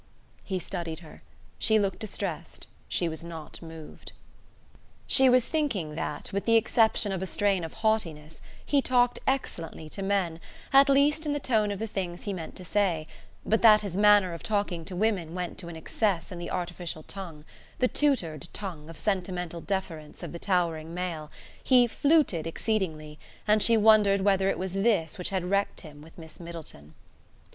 He studied her. She looked distressed: she was not moved. She was thinking that, with the exception of a strain of haughtiness, he talked excellently to men, at least in the tone of the things he meant to say; but that his manner of talking to women went to an excess in the artificial tongue the tutored tongue of sentimental deference of the towering male: he fluted exceedingly; and she wondered whether it was this which had wrecked him with Miss Middleton.